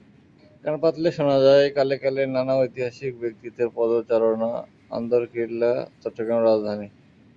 কান পাতলে শোনা যায় কালে কালে নানা ঐতিহাসিক ব্যক্তিত্বের পদচারণআন্দরকিল্লা চট্টগ্রামের রাজধানী।